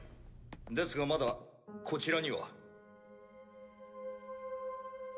ですがまだこちらには。